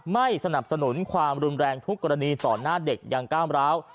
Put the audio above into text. ไม่สนับสนุนความรุนแรงทุกกรณีต่อหน้าเด็กอย่างก้าวร้าว